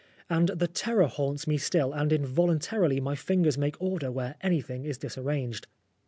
And the terror haunts me still, and involuntarily my fingers make order where anything is disarranged."